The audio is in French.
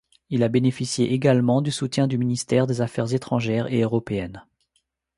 Il a bénéficié également du soutien du ministère des Affaires étrangères et européennes.